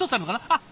あっ！